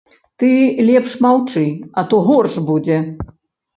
Ты лепш маўчы, а то горш будзе.